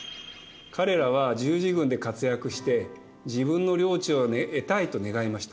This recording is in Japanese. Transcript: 彼らは十字軍で活躍して自分の領地を得たいと願いました。